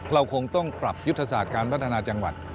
เราคงต้องปรับยุทธศาสตร์การพัฒนาจังหวัด